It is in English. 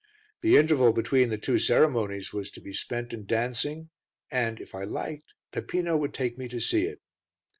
The interval between the two ceremonies was to be spent in dancing and, if I liked, Peppino would take me to see it.